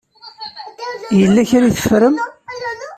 Yella kra i teffrem.